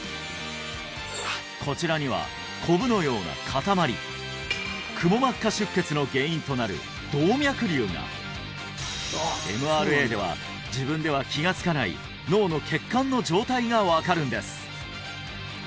こちらにはこぶのような塊くも膜下出血の原因となる動脈瘤がＭＲＡでは自分では気がつかない脳の血管の状態が分かるんです